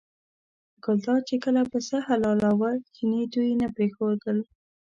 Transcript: ګلداد چې کله پسه حلالاوه چیني دوی نه پرېښودل.